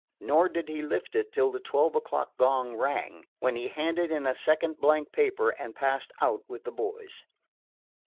Nor did he lift it till the twelve o'clock gong rang, when he handed in a second blank paper and passed out with the boys.